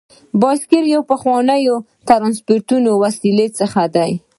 بایسکل یو له پخوانیو ترانسپورتي وسایلو څخه دی.